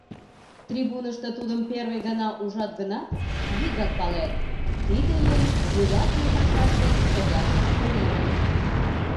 Трибунышто тудым первый гана ужат гынат, вигак палет: тиде еҥ вуйлатыме пашаште шогаш тунемын.